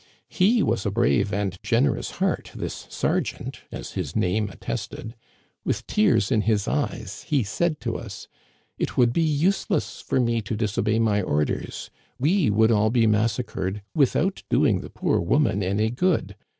He was a brave and generous heart, this sergeant, as his name at Digitized by VjOOQIC ig6 THE CANADIANS OF OLD. tested. With tears in his eyes, he said to us :* It would be useless for me to disobey my orders ; we would all be massacred without doing the poor woman any good.